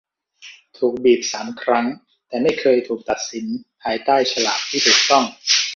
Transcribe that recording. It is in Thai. ถูกบีบสามครั้ง แต่ไม่เคยถูกตัดสินภายใต้ฉลากที่ถูกต้อง